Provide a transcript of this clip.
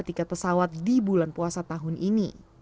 tiket pesawat di bulan puasa tahun ini